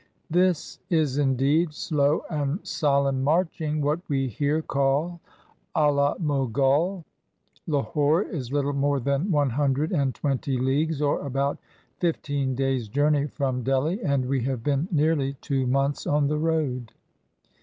] Tms is indeed slow and solemn marching, what we here call a la Alogole. Labor is little more than one hundred and twenty leagues or about fifteen days' journey from Delhi, and we have been nearly two months on the road.